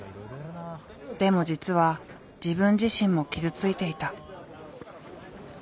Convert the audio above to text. でも実は自分自身も傷ついていた。